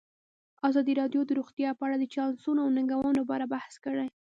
ازادي راډیو د روغتیا په اړه د چانسونو او ننګونو په اړه بحث کړی.